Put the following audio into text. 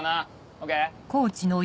ＯＫ？